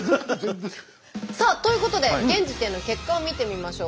さあということで現時点の結果を見てみましょう。